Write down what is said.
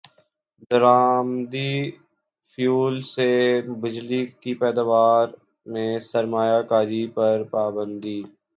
درامدی fuel سے بجلی کی پیداوار میں سرمایہ کاری پر پابندی